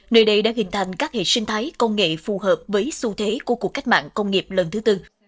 nơi đây đã hình thành các hệ sinh thái công nghệ phù hợp với xu thế của cuộc cách mạng công nghiệp lần thứ tư